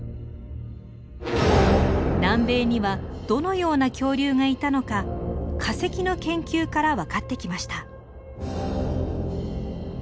南米にはどのような恐竜がいたのか化石の研究から分かってきました。